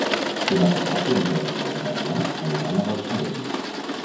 Demà passat en Jordi i en Damià aniran a Balsareny.